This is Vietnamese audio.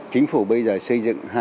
chính phủ bây giờ xây dựng